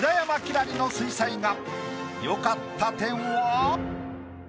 星の水彩画。